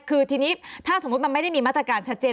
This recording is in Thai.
คือทีนี้ถ้าสมมุติมันไม่ได้มีมาตรการชัดเจน